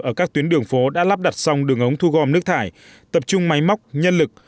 ở các tuyến đường phố đã lắp đặt xong đường ống thu gom nước thải tập trung máy móc nhân lực